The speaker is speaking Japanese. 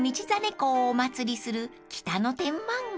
公をお祭りする北野天満宮］